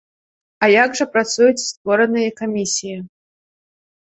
А як жа працуюць створаныя камісіі?